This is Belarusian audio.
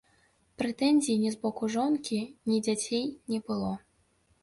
Прэтэнзій ні з боку жонкі, ні дзяцей не было.